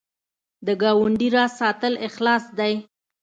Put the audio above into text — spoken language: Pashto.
د ګاونډي راز ساتل اخلاص دی